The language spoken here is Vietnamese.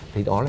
thì đó là